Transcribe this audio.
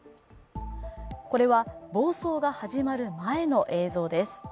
これは暴走が始まる前の映像です。